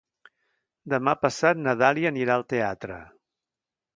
Demà passat na Dàlia anirà al teatre.